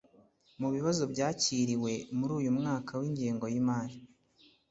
mu bibazo byakiriwe muri uyu mwaka w’ingengo y’imari,